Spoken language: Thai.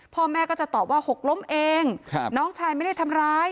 พ่อแม่ก็จะตอบว่าหกล้มเองน้องชายไม่ได้ทำร้าย